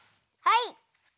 はい！